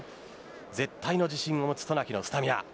絶対の自信を持つ渡名喜のスタミナ。